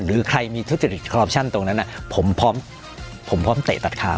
คือใครมีทุจริตคอรอบชันตรงนั้นผมพร้อมเตะตัดค้า